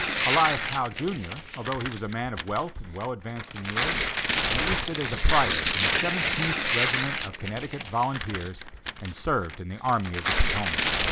Elias Howe, Jr., although he was a man of wealth and well advanced in years, enlisted as a private in the Seventeenth regiment of Connecticut volunteers and served in the Army of the Potomac.